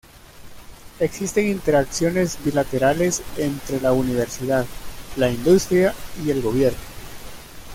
Existen interacciones bilaterales entre la universidad, la industria y el gobierno.